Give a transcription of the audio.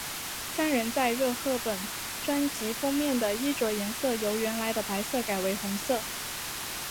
三人在热贺本专辑封面的衣着颜色由原来的白色改为红色。